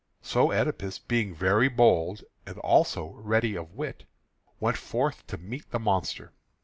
So Oedipus, being very bold, and also ready of wit, went forth to meet the monster.